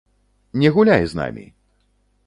Не гуляй з намі!